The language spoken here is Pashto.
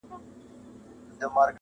تاته چې ګورم په دوو زړونو کښې شم